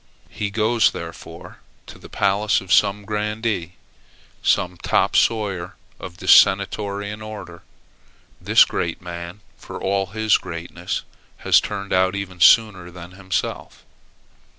He goes, therefore, to the palace of some grandee, some top sawyer of the Senatorian order. This great man, for all his greatness, has turned out even sooner than himself.